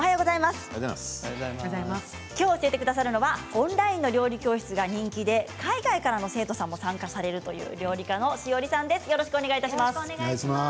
今日教えてくださるのはオンラインの料理教室が人気で海外からの生徒さんも参加されるという料理家のＳＨＩＯＲＩさんです。